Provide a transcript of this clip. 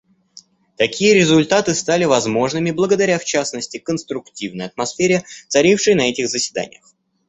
Такие результаты стали возможными благодаря, в частности, конструктивной атмосфере, царившей на этих заседаниях.